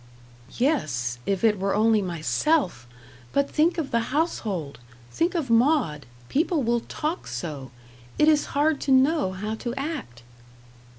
"Yes, if it were only myself. But think of the household think of Maud. People will talk so. It is hard to know how to act."